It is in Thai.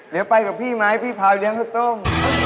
เดี๋ยวไปกับพี่ไหมพี่พายเลี้ยงข้าวต้ม